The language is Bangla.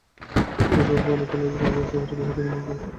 এভাবে বালু তোলার কারণে আশপাশের বহু জমি ভেঙে নদীগর্ভে বিলীন হয়ে গেছে।